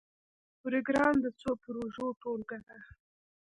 پروګرام د څو پروژو ټولګه ده